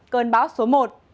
cơn báo số một